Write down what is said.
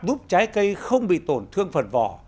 giúp trái cây không bị tổn thương phần vỏ